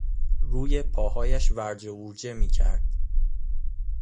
روی پاهایش ورجه وورجه میکرد.